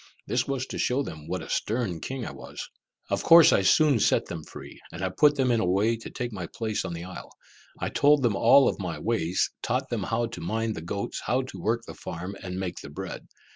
This was to show them what a stern king I was. Of course I soon set them free, and I put them in a way to take my place on the isle. I told them of all my ways, taught them how to mind the goats, how to work the farm, and make the bread.